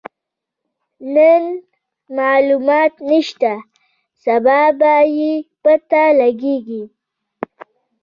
نن مالومات نشته، سبا به يې پته لګيږي.